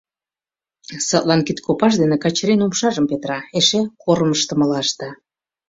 Садлан кидкопаж дене Качырин умшажым петыра, эше кормыжтымыла ышта.